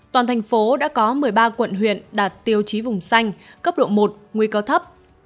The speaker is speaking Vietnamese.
toàn thành phố đã có một mươi ba quận huyện đạt tiêu chí vùng xanh cấp độ một nguy cơ thấp